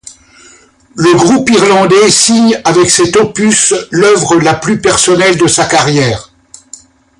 Le groupe Irlandais signe avec cet opus l'œuvre la plus personnelle de sa carrière.